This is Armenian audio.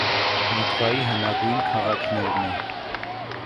Լիտվայի հնագույն քաղաքներէն է։